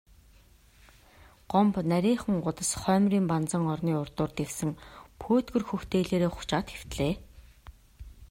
Гомбо нарийхан гудас хоймрын банзан орны урдуур дэвсэн пөөдгөр хөх дээлээрээ хучаад хэвтлээ.